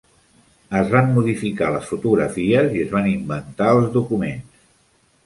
Es van modificar les fotografies i es van inventar els documents.